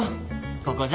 ここじゃ。